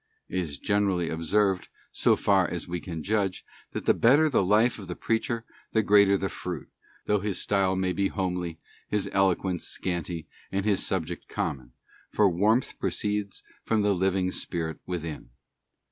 It is generally observed, so far as we can judge, that the better the life of the preacher, the greater the fruit, though his style may be homely, his eloquence scanty, and his subject common, for warmth proceeds from the living spirit within.